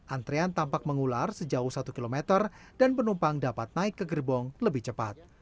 antrean tampak mengular sejauh satu km dan penumpang dapat naik ke gerbong lebih cepat